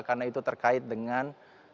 karena itu terkait dengan